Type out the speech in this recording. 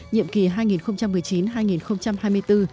nhiệm kỳ hai nghìn một mươi chín hai nghìn hai mươi bốn